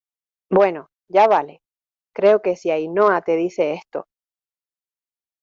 bueno, ya vale. creo que si Ainhoa te dice esto